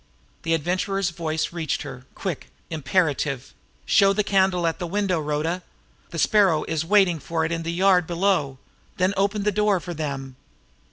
The Adventurer's voice reached her, quick, imperative: "Show the candle at the window, Rhoda! The Sparrow is waiting for it in the yard below. Then open the door for them."